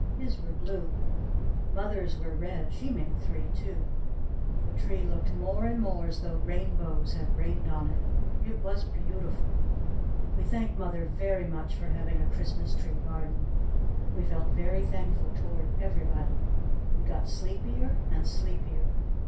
His were blue! Mother's were red! She made three, too! The tree looked more and more as tho rainbows had rained on it! It was beautiful! We thanked mother very much for having a Christmas tree garden! We felt very thankful toward everybody! We got sleepier and sleepier!